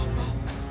tante tante kenapa